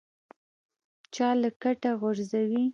چا له کټه غورځوي.